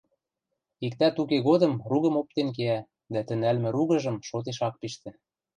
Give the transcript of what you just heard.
Иктӓт уке годым ругым оптен кеӓ дӓ тӹ нӓлмӹ ругыжым шотеш ак пиштӹ